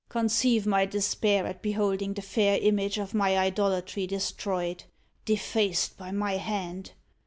Conceive my despair at beholding the fair image of my idolatry destroyed defaced by my hand.